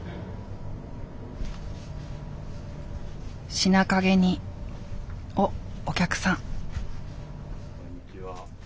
品陰におっお客さん。